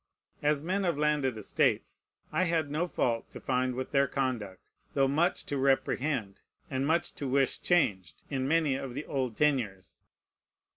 As men of landed estates, I had no fault to find with their conduct, though much to reprehend, and much to wish changed, in many of the old tenures.